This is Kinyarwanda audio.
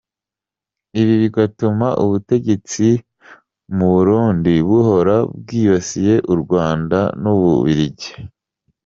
Ibi bigatuma ubutegtsi mu Burundi buhora bwibasiye u Rwanda n’u Bubiligi !